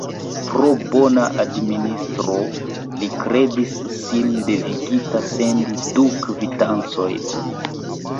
Pro bona administro, li kredis sin devigita sendi du kvitancojn!